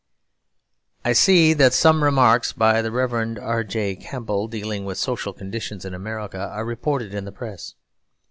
I see that some remarks by the Rev. R. J. Campbell, dealing with social conditions in America, are reported in the press.